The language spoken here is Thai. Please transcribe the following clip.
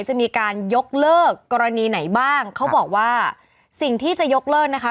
จะมีการยกเลิกกรณีไหนบ้างเขาบอกว่าสิ่งที่จะยกเลิกนะคะ